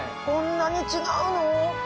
こんなに違うの？